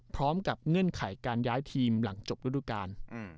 พร้อมกับเงื่อนไขการย้ายทีมหลังจบรุ้วการ